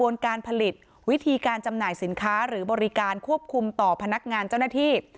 นักงานเจ้าหน้าที่